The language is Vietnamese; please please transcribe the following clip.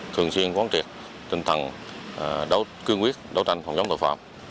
thường xuyên quán triệt tinh thần cương quyết đấu tranh phòng chống tội phạm